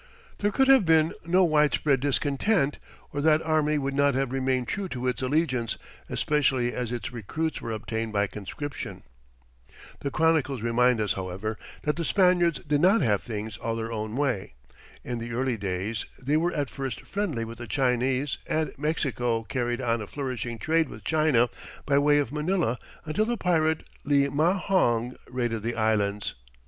There could have been no widespread discontent, or that army would not have remained true to its allegiance, especially as its recruits were obtained by conscription. The chronicles remind us, however, that the Spaniards did not have things all their own way. In the early days, they were at first friendly with the Chinese, and Mexico carried on a flourishing trade with China by way of Manila until the pirate Li Ma Hong raided the Islands.